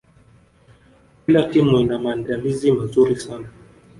kila timu ina maandalizi mazuri sana